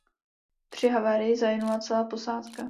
Při havárii zahynula celá posádka.